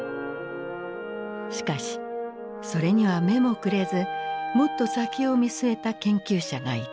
しかしそれには目もくれずもっと先を見据えた研究者がいた。